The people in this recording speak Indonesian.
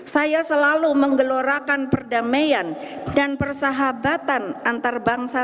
saya selalu menggelorakan perdamaian dan persahabatan antarbangsa